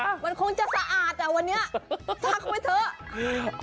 มันคงจะสะอาดอ่ะวันนี้ซักไว้เถอะ